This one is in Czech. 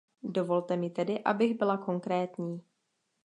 Dovolte mi tedy, abych byla konkrétní.